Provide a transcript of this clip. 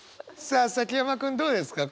さあ崎山君どうですか？